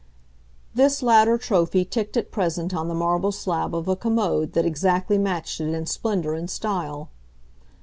This latter trophy ticked at present on the marble slab of a commode that exactly matched it in splendour and style.